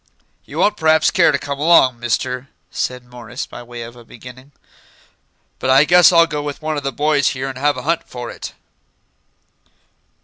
"You won't p'raps care to come along, Mister," said Morris, by way of a beginning; "but I guess I'll go with one of the boys here and have a hunt for it."